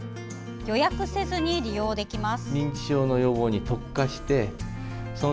予約せずに利用できます。